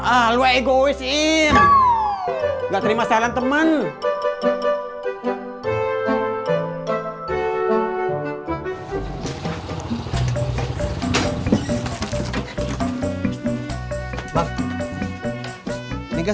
ah lu egois im gak terima saran temen lu